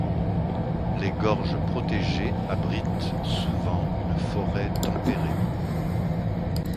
Les gorges protégées abritent souvent une forêt tempérée.